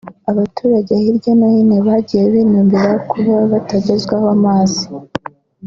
Abaturage hirya no hino bagiye binubira kuba batagezwaho amazi